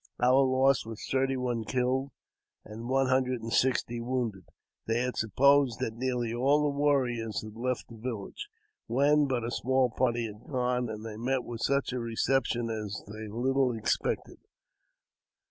Our loss was thirty one killed, and one hundred and sixty wounded. They had supposed that nearly all the warriors had left the village, when but a small party had gone, and they met with such a recep tion as they little expected.